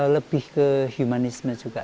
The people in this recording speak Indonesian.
lebih ke humanisme juga